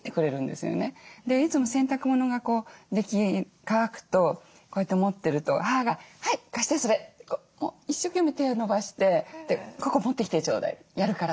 でいつも洗濯物が乾くとこうやって持ってると母が「はい貸してそれ」って一生懸命手を伸ばして「ここ持ってきてちょうだいやるから」